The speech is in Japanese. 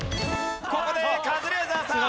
ここでカズレーザーさん。